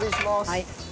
はい。